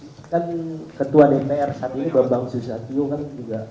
saat ini bambang susatiu kan juga